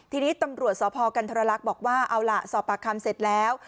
ทีนี้ตำรวจสพกันทรลักษณ์บอกว่าเอาล่ะสอบปากคำเสร็จแล้ว